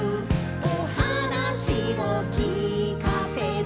「おはなしをきかせて」